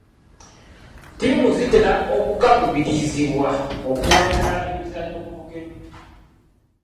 Ttiimu zitera okukaluubirizibwa okuwangula emizannyo ku bugenyi.